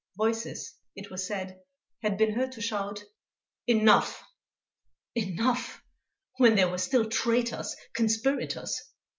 Voices, it was said, had been heard to shout: "Enough!" Enough, when there were still traitors, conspirators!